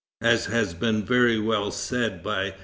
As has been very well said by M.